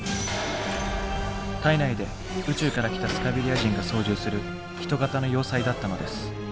体内で宇宙から来たスカベリア人が操縦する人型の要塞だったのです。